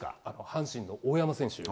阪神の大山選手。